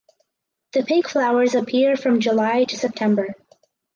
The pink flowers appear from July to September.